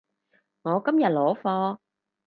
我今日攞貨